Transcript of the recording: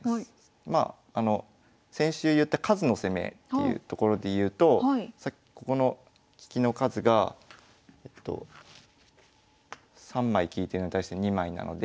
まあ先週言った数の攻めっていうところでいうとここの利きの数が３枚利いてるのに対して２枚なので。